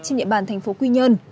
trên địa bàn tp quy nhơn